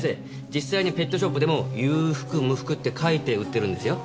実際にペットショップでも有覆無覆って書いて売ってるんですよ。